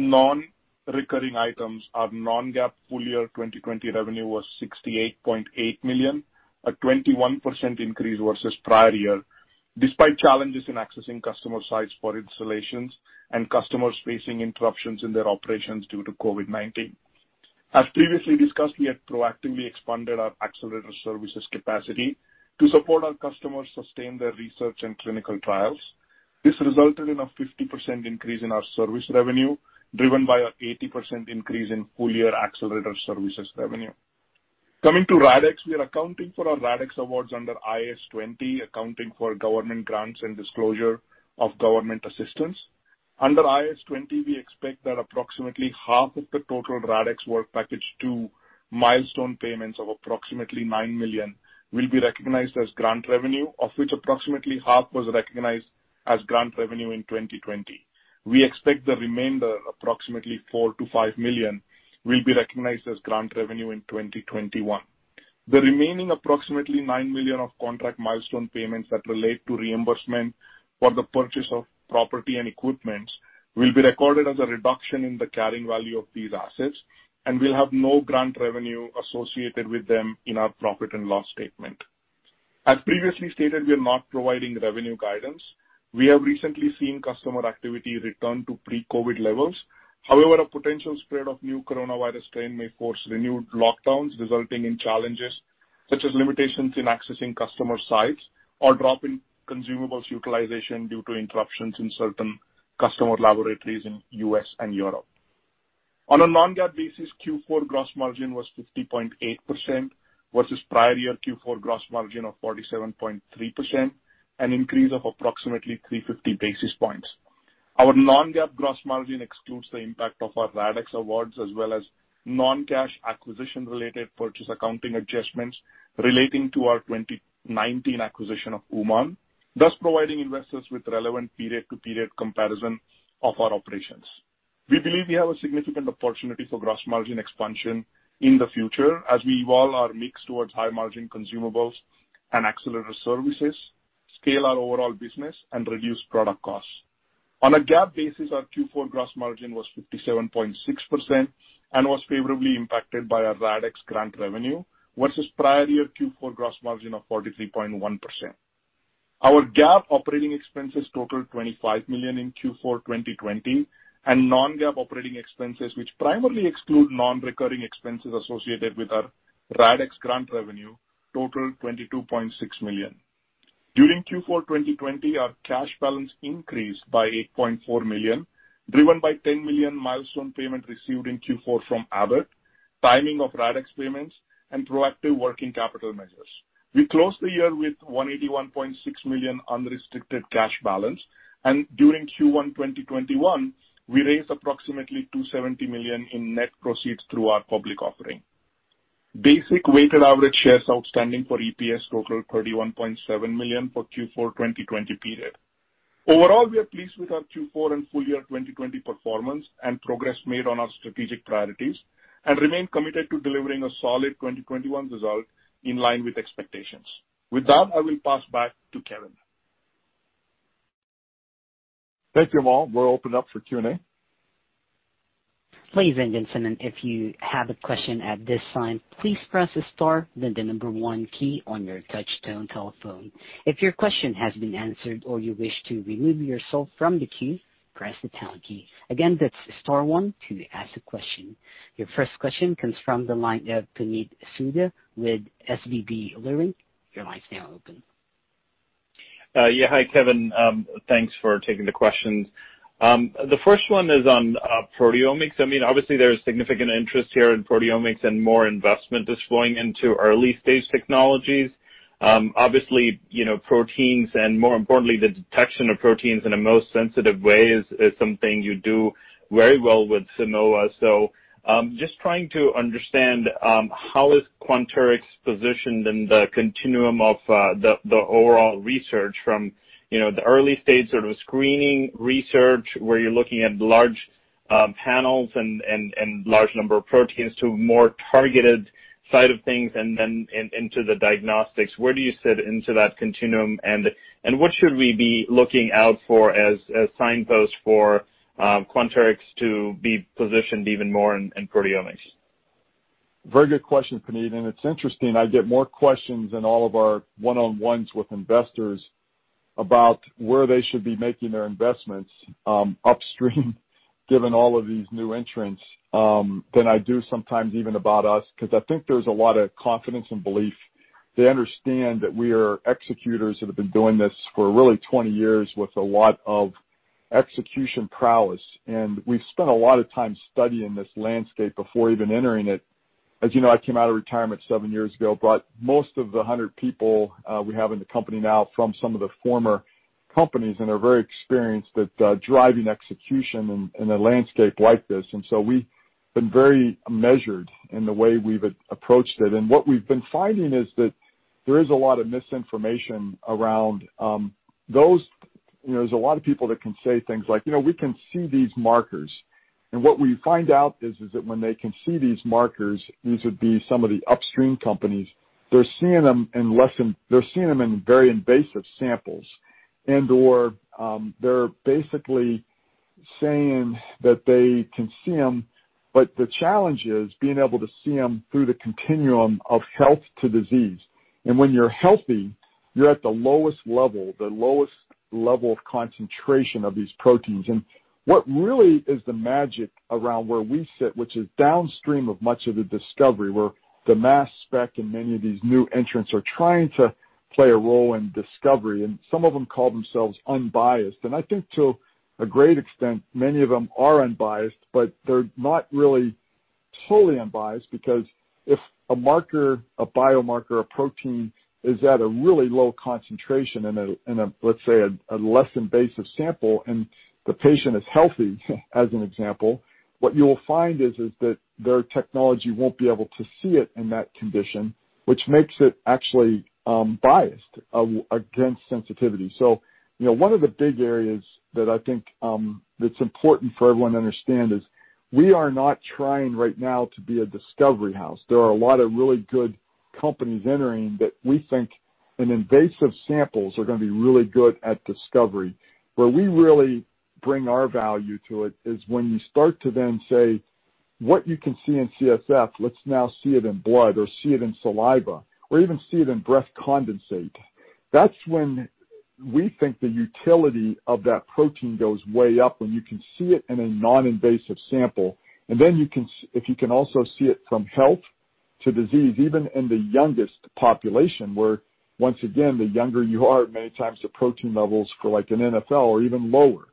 non-recurring items, our non-GAAP full year 2020 revenue was $68.8 million, a 21% increase versus prior year, despite challenges in accessing customer sites for installations and customers facing interruptions in their operations due to COVID-19. As previously discussed, we have proactively expanded our accelerator services capacity to support our customers sustain their research and clinical trials. This resulted in a 50% increase in our service revenue, driven by an 80% increase in full-year accelerator services revenue. Coming to RADx, we are accounting for our RADx awards under IAS 20, accounting for government grants and disclosure of government assistance. Under IAS 20, we expect that approximately half of the total RADx work package 2 milestone payments of approximately $9 million will be recognized as grant revenue, of which approximately half was recognized as grant revenue in 2020. We expect the remainder, approximately $4 million-$5 million, will be recognized as grant revenue in 2021. The remaining approximately $9 million of contract milestone payments that relate to reimbursement for the purchase of property and equipment will be recorded as a reduction in the carrying value of these assets and will have no grant revenue associated with them in our profit and loss statement. As previously stated, we are not providing revenue guidance. We have recently seen customer activity return to pre-COVID levels. A potential spread of new coronavirus strain may force renewed lockdowns, resulting in challenges such as limitations in accessing customer sites or drop in consumables utilization due to interruptions in certain customer laboratories in U.S. and Europe. On a non-GAAP basis, Q4 gross margin was 50.8%, versus prior year Q4 gross margin of 47.3%, an increase of approximately 350 basis points. Our non-GAAP gross margin excludes the impact of our RADx awards as well as non-cash acquisition related purchase accounting adjustments relating to our 2019 acquisition of UmanDiagnostics, thus providing investors with relevant period-to-period comparison of our operations. We believe we have a significant opportunity for gross margin expansion in the future as we evolve our mix towards high margin consumables and accelerator services, scale our overall business, and reduce product costs. On a GAAP basis, our Q4 gross margin was 57.6% and was favorably impacted by our RADx grant revenue versus prior year Q4 gross margin of 43.1%. Our GAAP operating expenses totaled $25 million in Q4 2020, and non-GAAP operating expenses, which primarily exclude non-recurring expenses associated with our RADx grant revenue, totaled $22.6 million. During Q4 2020, our cash balance increased by $8.4 million, driven by $10 million milestone payment received in Q4 from Abbott, timing of RADx payments, and proactive working capital measures. We closed the year with $181.6 million unrestricted cash balance, and during Q1 2021, we raised approximately $270 million in net proceeds through our public offering. Basic weighted average shares outstanding for EPS totaled 31.7 million for Q4 2020 period. Overall, we are pleased with our Q4 and full year 2020 performance and progress made on our strategic priorities and remain committed to delivering a solid 2021 result in line with expectations. With that, I will pass back to Kevin. Thank you, Amol. We'll open up for Q&A. Ladies and gentlemen, if you have a question at this time, please press the star and the number one key on your touchtone telephone. If your question has been answered or you wish to remove yourself from the queue, press the pound key. Again, that's star one to ask a question. Your first question comes from the line of Puneet Souda with SVB Leerink. Your line's now open. Yeah. Hi, Kevin. Thanks for taking the questions. The first one is on proteomics. I mean, obviously, there's significant interest here in proteomics and more investment is flowing into early-stage technologies. Obviously, proteins and more importantly, the detection of proteins in the most sensitive way is something you do very well with Simoa. Just trying to understand, how is Quanterix positioned in the continuum of the overall research from the early stage sort of screening research, where you're looking at large panels and large number of proteins, to more targeted side of things and then into the diagnostics. Where do you sit into that continuum, and what should we be looking out for as signposts for Quanterix to be positioned even more in proteomics? Very good question, Puneet, and it's interesting. I get more questions in all of our one-on-ones with investors about where they should be making their investments upstream, given all of these new entrants, than I do sometimes even about us, because I think there's a lot of confidence and belief. They understand that we are executors that have been doing this for really 20 years with a lot of execution prowess, and we've spent a lot of time studying this landscape before even entering it. As you know, I came out of retirement seven years ago, but most of the 100 people we have in the company now from some of the former companies and are very experienced at driving execution in a landscape like this. We've been very measured in the way we've approached it. What we've been finding is that there is a lot of misinformation around those. There's a lot of people that can say things like, "We can see these markers." What we find out is that when they can see these markers, these would be some of the upstream companies, they're seeing them in very invasive samples, and/or they're basically saying that they can see them. The challenge is being able to see them through the continuum of health to disease. When you're healthy, you're at the lowest level, the lowest level of concentration of these proteins. What really is the magic around where we sit, which is downstream of much of the discovery, where the mass spec and many of these new entrants are trying to play a role in discovery, and some of them call themselves unbiased. I think to a great extent, many of them are unbiased, but they're not really totally unbiased because if a marker, a biomarker, a protein is at a really low concentration in a, let's say, a less invasive sample, and the patient is healthy, as an example, what you will find is that their technology won't be able to see it in that condition, which makes it actually biased against sensitivity. One of the big areas that I think that's important for everyone to understand is we are not trying right now to be a discovery house. There are a lot of really good companies entering that we think in invasive samples are going to be really good at discovery. Where we really bring our value to it is when you start to then say, what you can see in CSF, let's now see it in blood or see it in saliva, or even see it in breath condensate. That's when we think the utility of that protein goes way up, when you can see it in a non-invasive sample. Then if you can also see it from health to disease, even in the youngest population, where once again, the younger you are, many times the protein levels for like an NfL are even lower.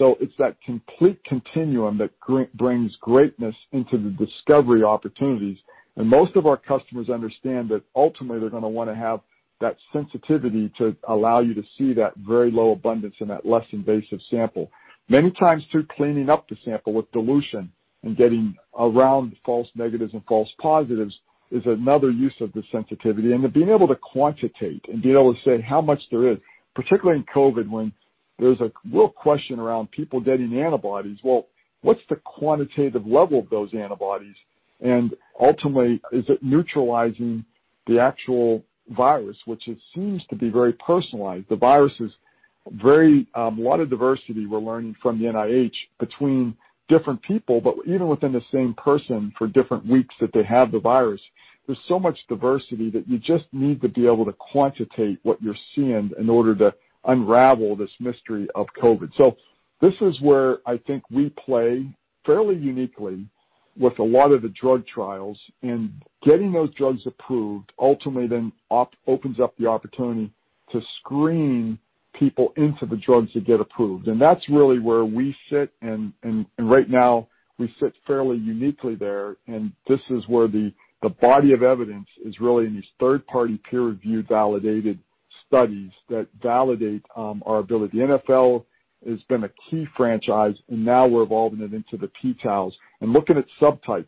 It's that complete continuum that brings greatness into the discovery opportunities. Most of our customers understand that ultimately, they're going to want to have that sensitivity to allow you to see that very low abundance in that less invasive sample. Many times too, cleaning up the sample with dilution and getting around false negatives and false positives is another use of the sensitivity. Being able to quantitate and being able to say how much there is, particularly in COVID, when there's a real question around people getting antibodies. What's the quantitative level of those antibodies? Ultimately, is it neutralizing the actual virus, which it seems to be very personalized. A lot of diversity we're learning from the NIH between different people, but even within the same person for different weeks that they have the virus. There's so much diversity that you just need to be able to quantitate what you're seeing in order to unravel this mystery of COVID. This is where I think we play fairly uniquely with a lot of the drug trials, getting those drugs approved ultimately opens up the opportunity to screen people into the drugs that get approved. That's really where we sit, right now we sit fairly uniquely there, this is where the body of evidence is really in these third-party peer-reviewed, validated studies that validate our ability. NfL has been a key franchise, now we're evolving it into the p-Taus and looking at subtypes.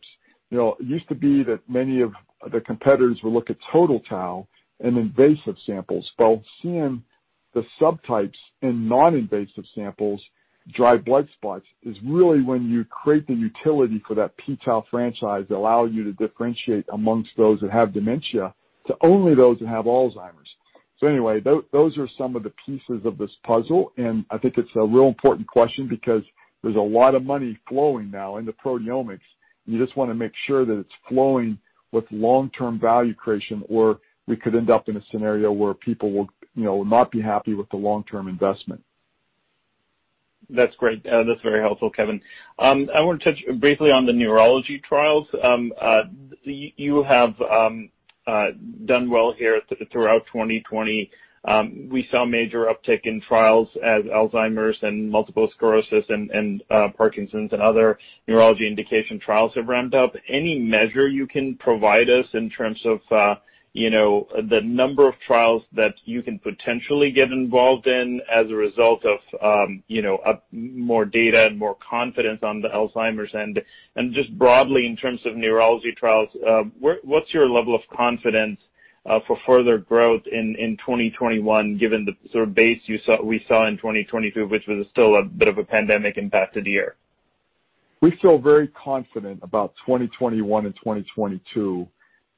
It used to be that many of the competitors would look at total tau in invasive samples. Seeing the subtypes in non-invasive samples, dried blood spots, is really when you create the utility for that p-Tau franchise that allow you to differentiate amongst those that have dementia to only those that have Alzheimer's. Anyway, those are some of the pieces of this puzzle, and I think it's a real important question because there's a lot of money flowing now into proteomics, and you just want to make sure that it's flowing with long-term value creation, or we could end up in a scenario where people will not be happy with the long-term investment. That's great. That's very helpful, Kevin. I want to touch briefly on the neurology trials. You have done well here throughout 2020. We saw a major uptick in trials as Alzheimer's and multiple sclerosis and Parkinson's and other neurology indication trials have ramped up. Any measure you can provide us in terms of the number of trials that you can potentially get involved in as a result of more data and more confidence on the Alzheimer's end? Just broadly, in terms of neurology trials, what's your level of confidence for further growth in 2021 given the sort of base we saw in 2022, which was still a bit of a pandemic-impacted year? We feel very confident about 2021 and 2022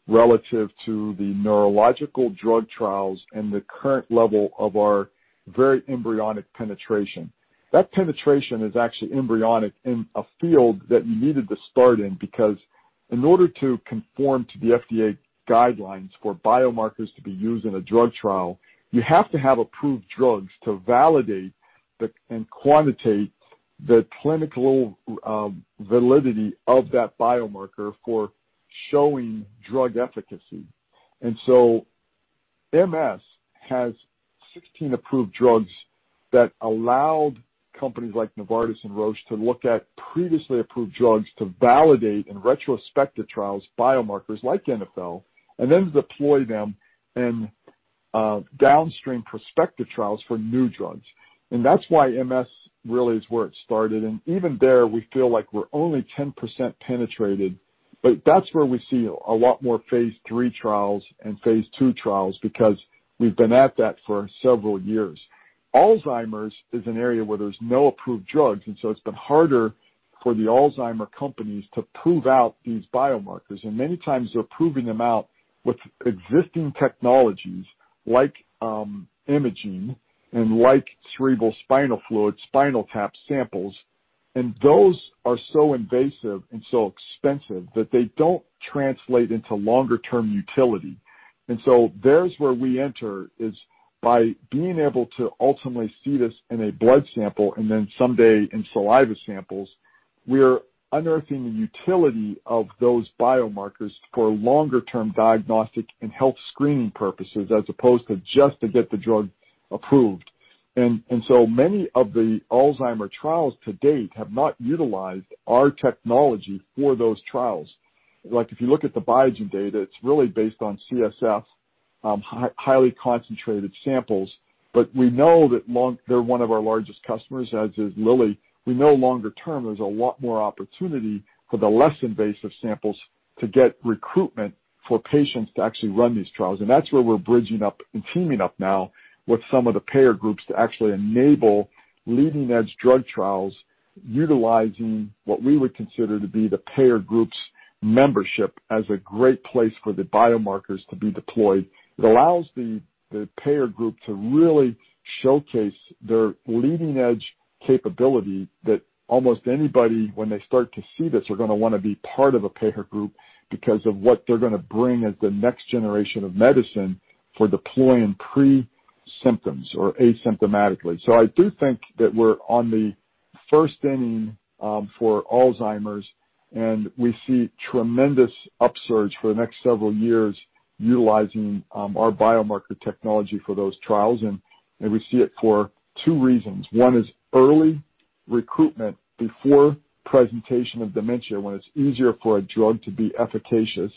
relative to the neurological drug trials and the current level of our very embryonic penetration. That penetration is actually embryonic in a field that you needed to start in because in order to conform to the FDA guidelines for biomarkers to be used in a drug trial, you have to have approved drugs to validate and quantitate the clinical validity of that biomarker for showing drug efficacy. MS has 16 approved drugs that allowed companies like Novartis and Roche to look at previously approved drugs to validate in retrospective trials, biomarkers like NfL, and then deploy them and downstream prospective trials for new drugs. That's why MS really is where it started, and even there, we feel like we're only 10% penetrated. That's where we see a lot more phase III trials and phase II trials, because we've been at that for several years. Alzheimer's is an area where there's no approved drugs, and so it's been harder for the Alzheimer's companies to prove out these biomarkers. Many times, they're proving them out with existing technologies like imaging and like cerebrospinal fluid, spinal tap samples. Those are so invasive and so expensive that they don't translate into longer-term utility. There's where we enter is by being able to ultimately see this in a blood sample, and then someday in saliva samples, we're unearthing the utility of those biomarkers for longer-term diagnostic and health screening purposes, as opposed to just to get the drug approved. Many of the Alzheimer's trials to date have not utilized our technology for those trials. If you look at the Biogen data, it's really based on CSF, highly concentrated samples. We know that They're one of our largest customers, as is Lilly. We know longer term, there's a lot more opportunity for the less invasive samples to get recruitment for patients to actually run these trials, and that's where we're bridging up and teaming up now with some of the payer groups to actually enable leading-edge drug trials utilizing what we would consider to be the payer group's membership as a great place for the biomarkers to be deployed. It allows the payer group to really showcase their leading-edge capability that almost anybody, when they start to see this, are going to want to be part of a payer group because of what they're going to bring as the next generation of medicine for deploying pre-symptoms or asymptomatically. I do think that we're on the first inning for Alzheimer's. We see tremendous upsurge for the next several years utilizing our biomarker technology for those trials, and we see it for two reasons. One is early recruitment before presentation of dementia, when it's easier for a drug to be efficacious.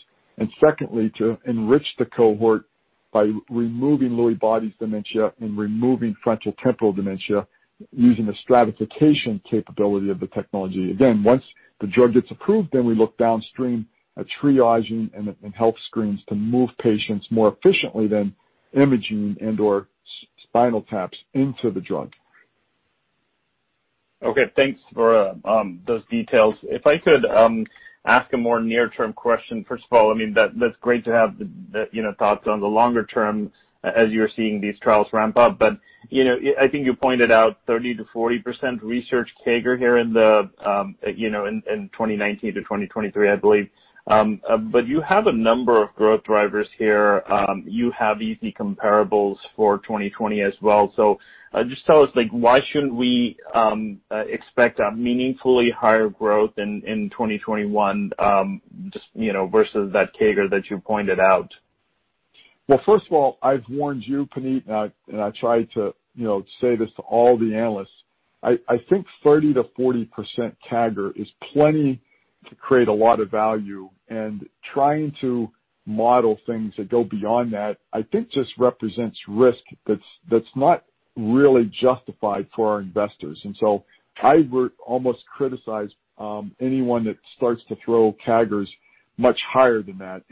Secondly, to enrich the cohort by removing Lewy body dementia and removing frontotemporal dementia using the stratification capability of the technology. Once the drug gets approved, we look downstream at triaging and health screens to move patients more efficiently than imaging and/or spinal taps into the drug. Okay. Thanks for those details. If I could ask a more near-term question. First of all, that's great to have thoughts on the longer term as you're seeing these trials ramp up. I think you pointed out 30%-40% research CAGR here in 2019 to 2023, I believe. You have a number of growth drivers here. You have easy comparables for 2020 as well. Just tell us, why shouldn't we expect a meaningfully higher growth in 2021 versus that CAGR that you pointed out? Well, first of all, I've warned you, Puneet, and I try to say this to all the analysts. I think 30%-40% CAGR is plenty to create a lot of value, and trying to model things that go beyond that, I think, just represents risk that's not really justified for our investors. So I would almost criticize anyone that starts to throw CAGRs much higher than that.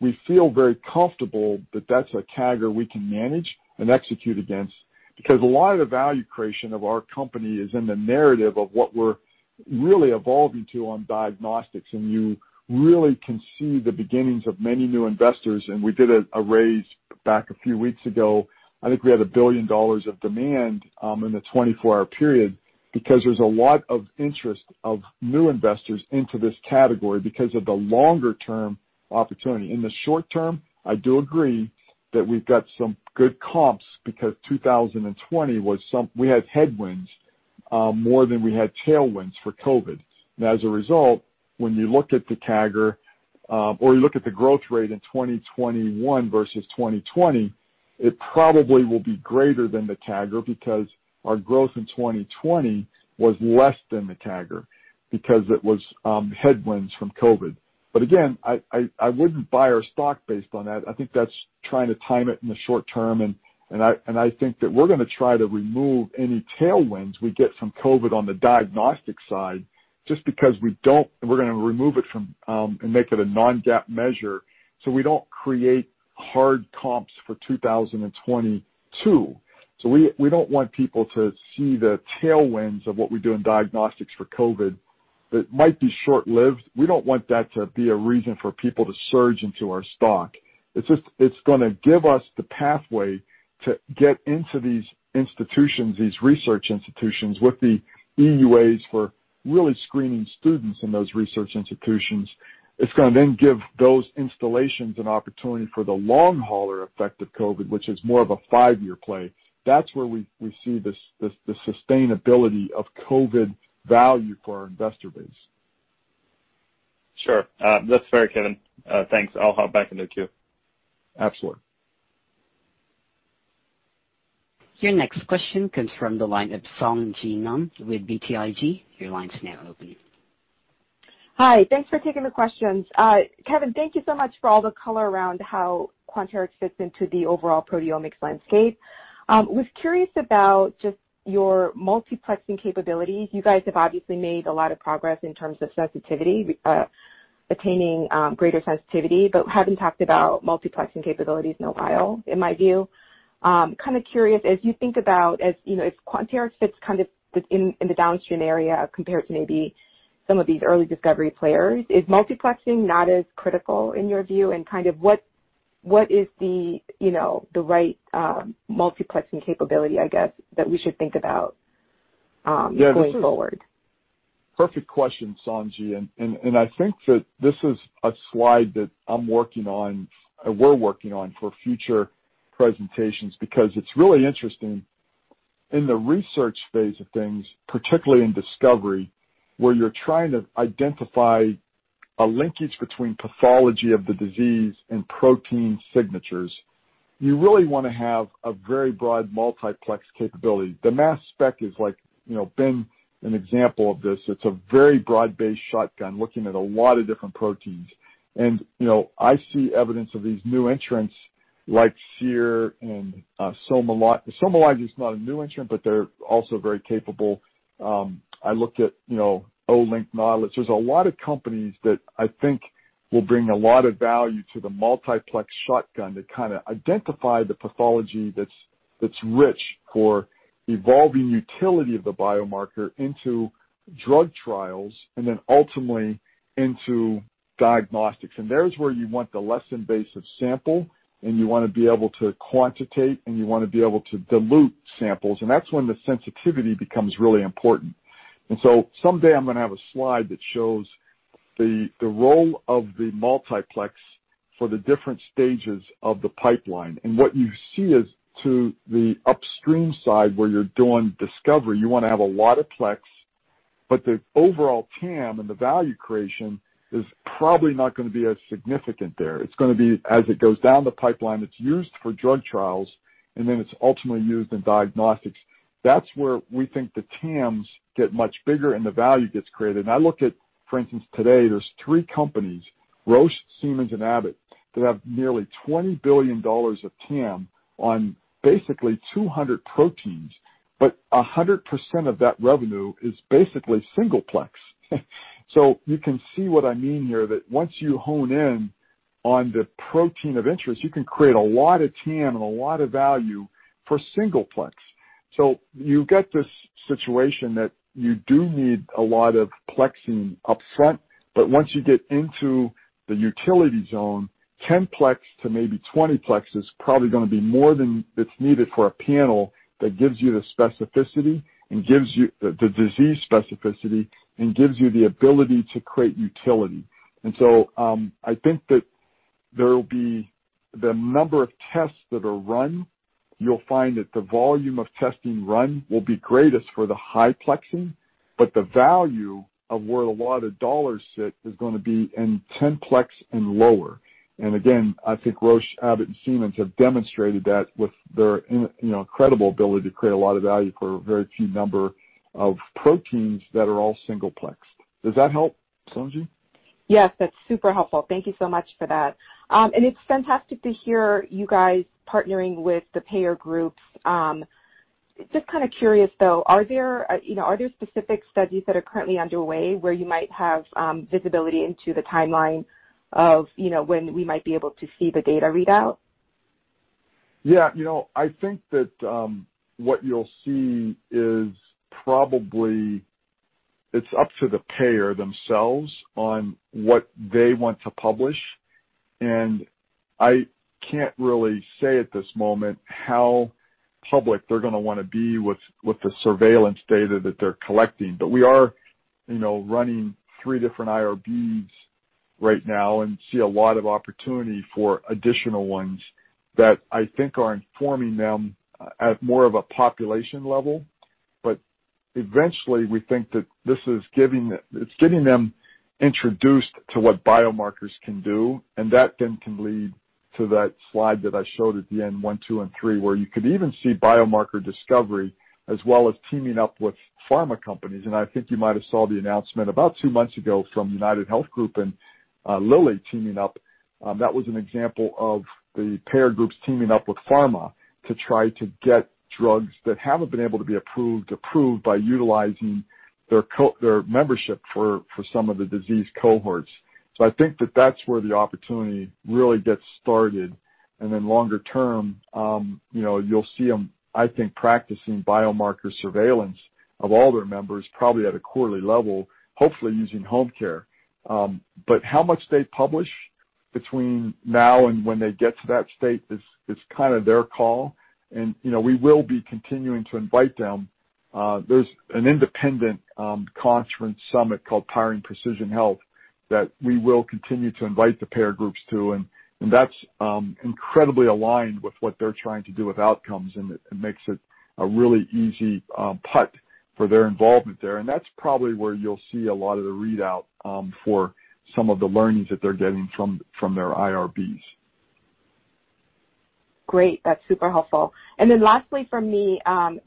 We feel very comfortable that that's a CAGR we can manage and execute against, because a lot of the value creation of our company is in the narrative of what we're really evolving to on diagnostics. You really can see the beginnings of many new investors. We did a raise back a few weeks ago. I think we had $1 billion of demand in the 24-hour period because there's a lot of interest of new investors into this category because of the longer-term opportunity. In the short term, I do agree that we've got some good comps because we had headwinds more than we had tailwinds for COVID. As a result, when you look at the CAGR or you look at the growth rate in 2021 versus 2020, it probably will be greater than the CAGR because our growth in 2020 was less than the CAGR, because it was headwinds from COVID. Again, I wouldn't buy our stock based on that. I think that's trying to time it in the short term, and I think that we're going to try to remove any tailwinds we get from COVID on the diagnostic side, just because we're going to remove it from and make it a non-GAAP measure so we don't create hard comps for 2022. We don't want people to see the tailwinds of what we do in diagnostics for COVID that might be short-lived. We don't want that to be a reason for people to surge into our stock. It's going to give us the pathway to get into these institutions, these research institutions, with the EUAs for really screening students in those research institutions. It's going to then give those installations an opportunity for the long hauler effect of COVID, which is more of a five-year play. That's where we see the sustainability of COVID value for our investor base. Sure. That's fair, Kevin. Thanks. I'll hop back in the queue. Absolutely. Your next question comes from the line of Sung Ji Nam with BTIG. Your line's now open. Hi. Thanks for taking the questions. Kevin, thank you so much for all the color around how Quanterix fits into the overall proteomics landscape. I was curious about just your multiplexing capabilities. You guys have obviously made a lot of progress in terms of sensitivity, attaining greater sensitivity, but haven't talked about multiplexing capabilities in a while, in my view. I am kind of curious, as you think about as Quanterix fits kind of in the downstream area compared to maybe some of these early discovery players, is multiplexing not as critical in your view? What is the right multiplexing capability, I guess, that we should think about going forward? Perfect question, Sung Ji. I think that this is a slide that I'm working on, we're working on for future presentations because it's really interesting. In the research phase of things, particularly in discovery, where you're trying to identify a linkage between pathology of the disease and protein signatures, you really want to have a very broad multiplex capability. The mass spec has been an example of this. It's a very broad-based shotgun looking at a lot of different proteins. I see evidence of these new entrants like Seer and SomaLogic. SomaLogic is not a new entrant, but they're also very capable. I looked at Olink Nautilus There's a lot of companies that I think will bring a lot of value to the multiplex shotgun to kind of identify the pathology that's rich for evolving utility of the biomarker into drug trials and then ultimately into diagnostics. There's where you want the less invasive sample, and you want to be able to quantitate, and you want to be able to dilute samples, and that's when the sensitivity becomes really important. Someday I'm going to have a slide that shows the role of the multiplex for the different stages of the pipeline. What you see is to the upstream side, where you're doing discovery, you want to have a lot of plex, but the overall TAM and the value creation is probably not going to be as significant there. It's going to be as it goes down the pipeline, it's used for drug trials, and then it's ultimately used in diagnostics. That's where we think the TAMs get much bigger and the value gets created. I look at, for instance, today, there's three companies, Roche, Siemens, and Abbott, that have nearly $20 billion of TAM on basically 200 proteins, but 100% of that revenue is basically single plex. You can see what I mean here, that once you hone in on the protein of interest, you can create a lot of TAM and a lot of value for single plex. You get this situation that you do need a lot of plexing upfront, but once you get into the utility zone, 10 plex to maybe 20 plex is probably going to be more than is needed for a panel that gives you the specificity and gives you the disease specificity and gives you the ability to create utility. I think that there will be the number of tests that are run. You'll find that the volume of testing run will be greatest for the high plexing, but the value of where a lot of dollars sit is going to be in 10 plex and lower. I think Roche, Abbott, and Siemens have demonstrated that with their incredible ability to create a lot of value for a very key number of proteins that are all single plex. Does that help, Sung Ji? Yes, that's super helpful. Thank you so much for that. It's fantastic to hear you guys partnering with the payer groups. Just kind of curious, though, are there specific studies that are currently underway where you might have visibility into the timeline of when we might be able to see the data readout? Yeah. I think that what you'll see is probably it's up to the payer themselves on what they want to publish. I can't really say at this moment how public they're going to want to be with the surveillance data that they're collecting. We are running three different IRBs right now and see a lot of opportunity for additional ones that I think are informing them at more of a population level. Eventually, we think that this is giving them introduced to what biomarkers can do, and that then can lead to that slide that I showed at the end, one, two, and three, where you could even see biomarker discovery as well as teaming up with pharma companies. I think you might have saw the announcement about two months ago from UnitedHealth Group and Lilly teaming up. That was an example of the payer groups teaming up with pharma to try to get drugs that haven't been able to be approved by utilizing their membership for some of the disease cohorts. I think that that's where the opportunity really gets started. Longer term, you'll see them, I think, practicing biomarker surveillance of all their members, probably at a quarterly level, hopefully using home care. How much they publish between now and when they get to that state is kind of their call, and we will be continuing to invite them. There's an independent conference summit called Powering Precision Health that we will continue to invite the payer groups to. That's incredibly aligned with what they're trying to do with outcomes. It makes it a really easy putt for their involvement there. That's probably where you'll see a lot of the readout for some of the learnings that they're getting from their IRBs. Great. That's super helpful. Lastly from me,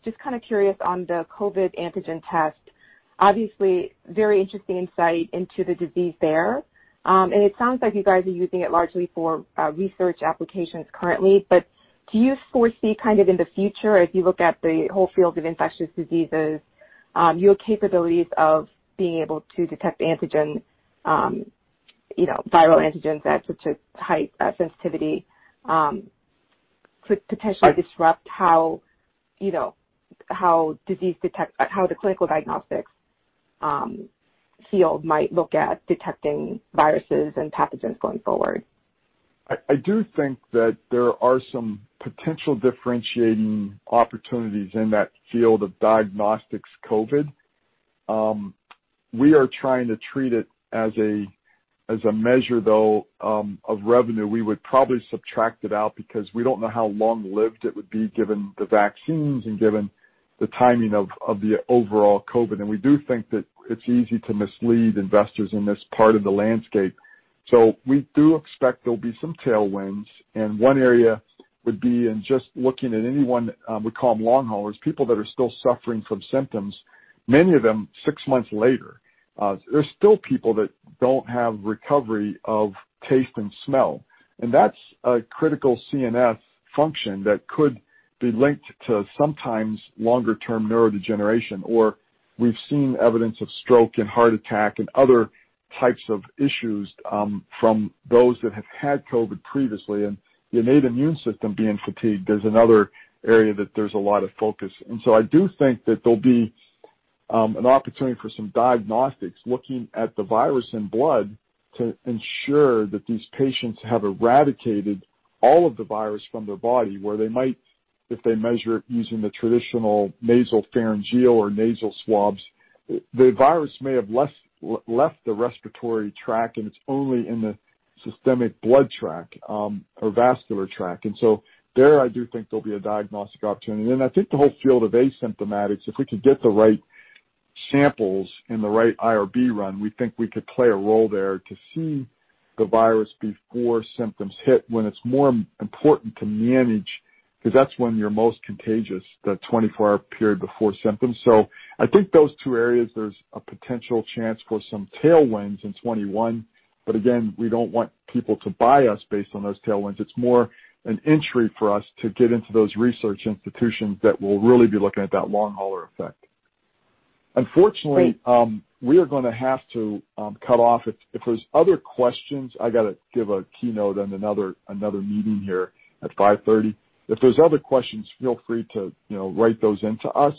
just kind of curious on the COVID antigen test. Obviously, very interesting insight into the disease there. It sounds like you guys are using it largely for research applications currently. Do you foresee kind of in the future, as you look at the whole field of infectious diseases, your capabilities of being able to detect antigen, viral antigens at such a high sensitivity could potentially disrupt how the clinical diagnostics field might look at detecting viruses and pathogens going forward? I do think that there are some potential differentiating opportunities in that field of diagnostics COVID. We are trying to treat it as a measure, though, of revenue. We would probably subtract it out because we don't know how long-lived it would be given the vaccines and given the timing of the overall COVID. We do think that it's easy to mislead investors in this part of the landscape. We do expect there'll be some tailwinds, and one area would be in just looking at anyone, we call them long haulers, people that are still suffering from symptoms, many of them six months later. There are still people that don't have recovery of taste and smell, and that's a critical CNS function that could be linked to sometimes longer term neurodegeneration, or we've seen evidence of stroke and heart attack and other types of issues from those that have had COVID previously. The innate immune system being fatigued is another area that there's a lot of focus. I do think that there'll be an opportunity for some diagnostics looking at the virus in blood to ensure that these patients have eradicated all of the virus from their body, where they might, if they measure it using the traditional nasopharyngeal or nasal swabs, the virus may have left the respiratory tract and it's only in the systemic blood tract, or vascular tract. There I do think there'll be a diagnostic opportunity. I think the whole field of asymptomatics, if we could get the right samples and the right IRB run, we think we could play a role there to see the virus before symptoms hit when it's more important to manage, because that's when you're most contagious, the 24-hour period before symptoms. I think those two areas, there's a potential chance for some tailwinds in 2021. Again, we don't want people to buy us based on those tailwinds. It's more an entry for us to get into those research institutions that will really be looking at that long hauler effect. Unfortunately, we are going to have to cut off. If there's other questions, I got to give a keynote on another meeting here at 5:30PM. If there's other questions, feel free to write those in to us.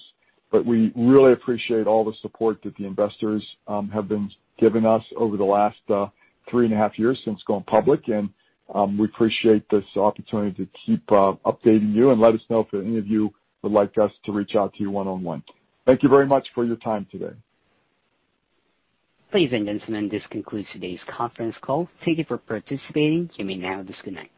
We really appreciate all the support that the investors have been giving us over the last three and a half years since going public. We appreciate this opportunity to keep updating you and let us know if any of you would like us to reach out to you one on one. Thank you very much for your time today. Ladies and gentlemen, this concludes today's conference call. Thank you for participating. You may now disconnect.